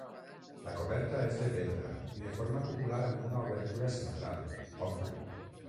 La coberta és de pedra, i de forma cupular amb una obertura central, òcul.